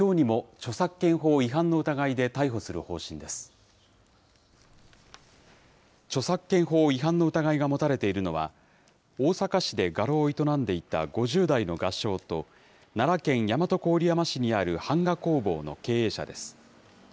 著作権法違反の疑いが持たれているのは、大阪市で画廊を営んでいた５０代の画商と、奈良県大和郡山市にある版画工房の経営者です。